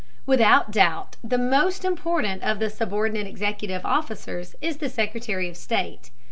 Without doubt the most important of the subordinate executive officers is the Secretary of State.